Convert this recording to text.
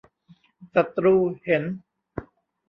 ศัตรูเห็น !